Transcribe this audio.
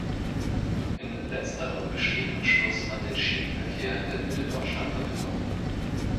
In letzterem besteht Anschluss an den Schienenverkehr der Mitte-Deutschland-Verbindung.